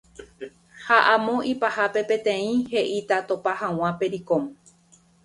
Ha amo ipahápe peteĩ he'íta topa hag̃ua pericón